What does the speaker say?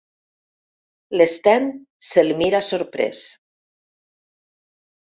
L'Sten se'l mira sorprès.